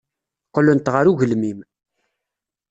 Qqlent ɣer ugelmim.